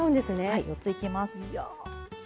はい４ついきます。